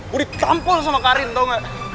gue ditampol sama karin tau gak